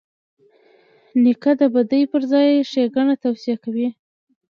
نیکه د بدۍ پر ځای ښېګڼه توصیه کوي.